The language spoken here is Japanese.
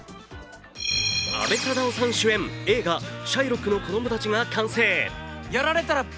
阿部サダヲさん主演映画「シャイロックの子供たち」が完成。